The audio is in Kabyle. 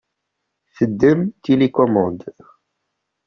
Teddem tilikumund.